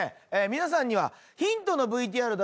皆さんには。